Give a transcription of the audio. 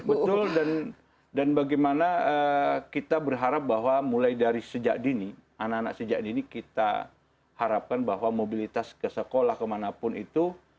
betul dan bagaimana kita berharap bahwa mulai dari sejak dini anak anak sejak dini kita harapkan bahwa mobilitas ke sekolah kemanapun itu